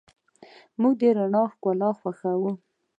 موږ د رڼا ښکلا خوښو.